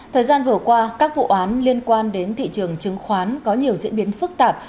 thời gian vừa qua các vụ án liên quan đến thị trường chứng khoán có nhiều diễn biến phức tạp